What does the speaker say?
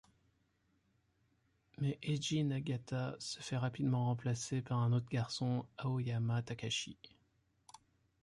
Mais Eji Nagata se fait rapidement remplacé par un autre garçon Aoyama Takashi.